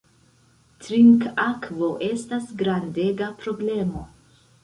Trinkakvo estas grandega problemo.